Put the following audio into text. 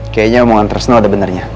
kayaknya omongan tersenang ada benernya